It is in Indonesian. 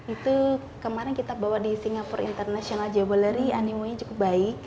itu kemarin kita bawa di singapore international javalary animonya cukup baik